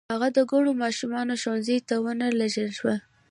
هغه د کڼو ماشومانو ښوونځي ته و نه لېږل شو.